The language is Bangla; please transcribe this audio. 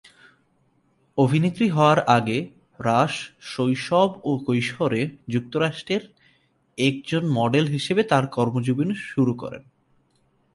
অভিনেত্রী হওয়ার আগে, রাশ শৈশব ও কৈশোরে যুক্তরাষ্ট্রে একজন মডেল হিসাবে তার কর্মজীবন শুরু করেন।